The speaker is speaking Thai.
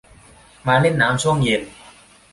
มาเล่นน้ำช่วงเย็น